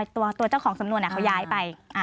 ตัวเจ้าของสำนวนเขาย้ายไป